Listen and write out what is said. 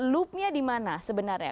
loopnya dimana sebenarnya